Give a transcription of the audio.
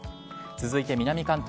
続いて南関東。